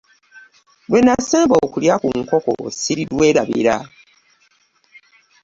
Lwe nasemba okulya ku nkoko ssirirwerabira.